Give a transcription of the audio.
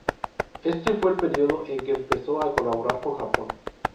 Este fue el periodo en que empezó a colaborar con Japón.